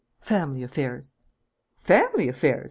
"Family affairs." "Family affairs!